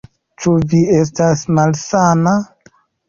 Ĉu vi estas malsana?